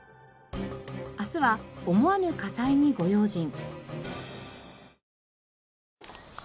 明日は思わぬ火災にご用心。